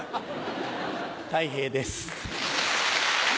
たい平です。